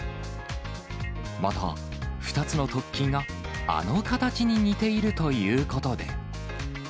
また、２つの突起があの形に似ているということで。